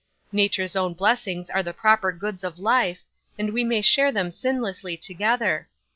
Nature's own blessings are the proper goods of life, and we may share them sinlessly together.